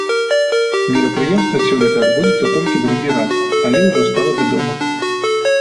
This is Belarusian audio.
Мерапрыемства сёлета адбудзецца толькі другі раз, але ўжо стала вядомым.